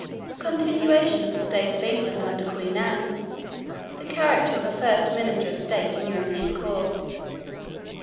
A continuation of the state of England under Queen Anne. The character of a first minister of state in European courts.